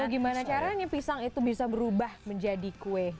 gimana caranya pisang itu bisa berubah menjadi kue